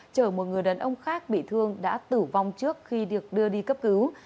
chở một người đàn ông khác bị thương đã tử vong trước khi được đưa đi cấp cứu